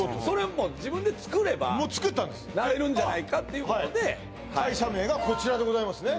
もう自分でつくればもうつくったんですなれるんじゃないかっていうことで会社名がこちらでございますね